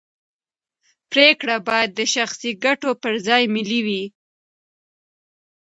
پرېکړې باید د شخصي ګټو پر ځای ملي وي